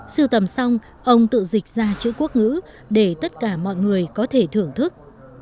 sưu tầm xong ông tự dịch ra chữ quốc ngữ để tất cả mọi người có thể thưởng thức